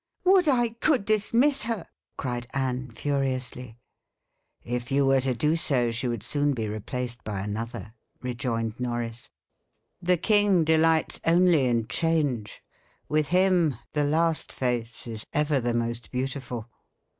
"Would I could dismiss her!" cried Anne furiously. "If you were to do so, she would soon be replaced by another," rejoined Norris. "The king delights only in change. With him, the last face is ever the most beautiful."